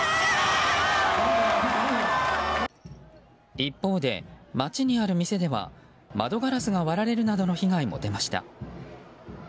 一方で街にある店では窓ガラスが割られるなどの被害も出ました。